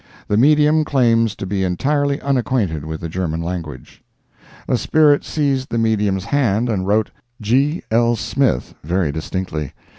The medium claims to be entirely unacquainted with the German language. A spirit seized the medium's hand and wrote "G. L. Smith" very distinctly.